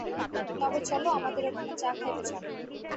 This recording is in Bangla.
তবে চলো, আমাদের ওখানে চা খাইবে চলো।